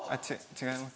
違います？